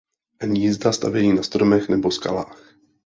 Hnízda stavějí na stromech nebo skalách.